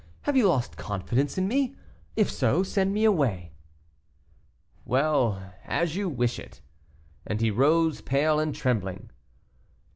Have you lost confidence in me? If so, send me away." "Well, as you wish it." And he rose, pale and trembling.